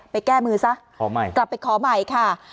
ไปแก้มือไปขอใหม่